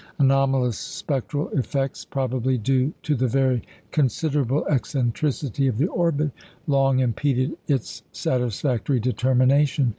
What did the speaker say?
Anomalous spectral effects, probably due to the very considerable eccentricity of the orbit, long impeded its satisfactory determination.